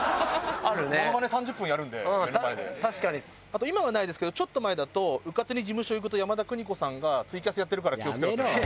あと今はないですけどちょっと前だとうかつに事務所行くと山田邦子さんがツイキャスやってるから気を付けろ。